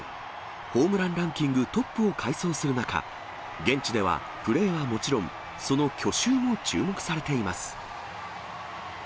ホームランランキングトップを快走する中、現地ではプレーはもちろん、その去就も注目されています。